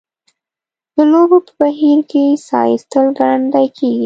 د لوبو په بهیر کې ساه ایستل ګړندۍ کیږي.